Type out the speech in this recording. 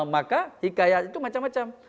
maka hikayat itu macam macam